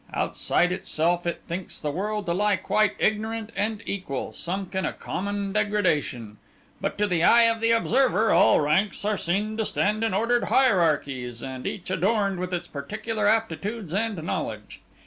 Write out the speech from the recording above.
Outside itself, it thinks the world to lie quite ignorant and equal, sunk in a common degradation; but to the eye of the observer, all ranks are seen to stand in ordered hierarchies, and each adorned with its particular aptitudes and knowledge.